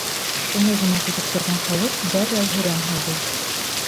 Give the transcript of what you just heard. Шуны ғына көтөп торған халыҡ дәррәү һөрән һалды.